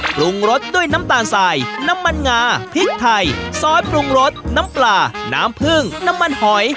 ปรุงรสด้วยน้ำตาลสายน้ำมันงาพริกไทยซอสปรุงรสน้ำปลาน้ำผึ้งน้ำมันหอย